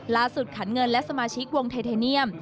ขันเงินและสมาชิกวงไทเทเนียม